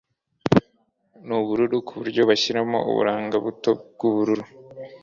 nubururu kuburyo bashyiramo uburanga buto bwubururu